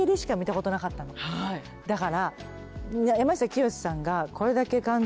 だから。